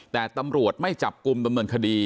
แต่ตำรวจไม่จับกุมบันเมิงคดี